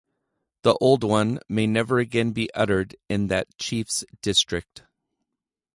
The old one may never again be uttered in that chief's district.